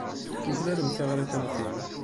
Tuklalem tiɣrit am tin!